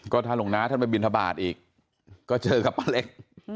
ก็ถ้าหลวงน้าท่านไปบินทบาทอีกก็เจอกับป้าเล็ก